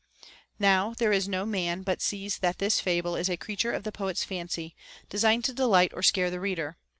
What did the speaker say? Now there is no man but sees that this fable is a creature of the poet's fancy, designed to delight or scare the reader.